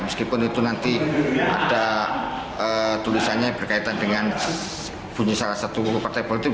meskipun itu nanti ada tulisannya berkaitan dengan bunyi salah satu partai politik